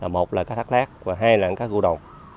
một là cá thác lát và hai là cá cô đồng